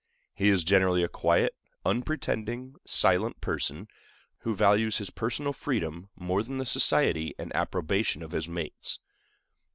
He is generally a quiet, unpretending, silent person, who values his personal freedom more than the society and approbation of his mates.